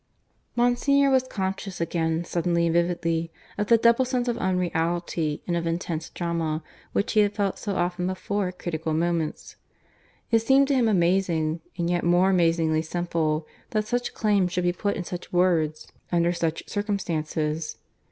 Monsignor was conscious again, suddenly and vividly, of that double sense of unreality and of intense drama which he had felt so often before at critical moments. It seemed to him amazing, and yet more amazingly simple, that such claims should be put in such words under such circumstances.